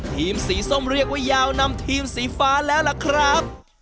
ทีมสีส้มเรียกว่ายาวนำทีมสีฟ้าแล้วล่ะครับ